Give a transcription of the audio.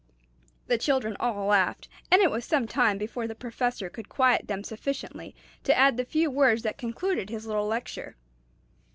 '" The children all laughed, and it was some time before the Professor could quiet them sufficiently to add the few words that concluded his little lecture.